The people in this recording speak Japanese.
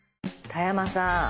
田山さん